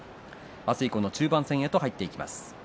明日以降の中盤戦へと入っていきます。